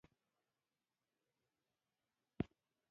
د پښتو راتلونکی په لوست کې دی.